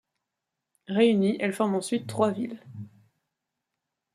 Réunies, elles forment ensuite Troisvilles.